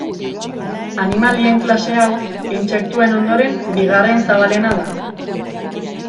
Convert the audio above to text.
Animalien klase hau intsektuen ondoren bigarren zabalena da.